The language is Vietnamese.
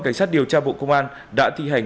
cảnh sát điều tra bộ công an đã thi hành